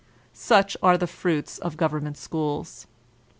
Such are the fruits of government schools.